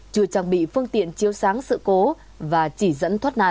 chưa trang bị phương tiện chiếu sáng sự cố và chỉ dẫn thoát nạn